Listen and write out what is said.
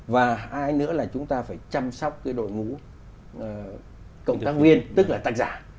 và hai nữa là chúng ta phải chăm sóc cái đội ngũ cộng tác viên tức là tác giả